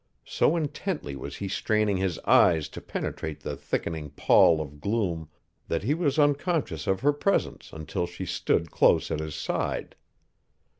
So intently was he straining his eyes to penetrate the thickening pall of gloom that he was unconscious of her presence until she stood close at his side.